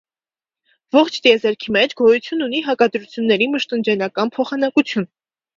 Ողջ տիեզերքի մեջ գոյություն ունի հակադրությունների մշտնջենական փոխանակություն։